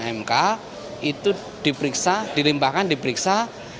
mk itu diperiksa dilimpahkan diperiksa